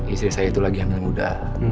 istri saya itu lagi anak muda